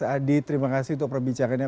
baik mas adi terima kasih untuk perbicaraannya